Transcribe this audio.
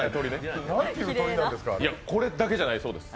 いや、これだけじゃないそうです。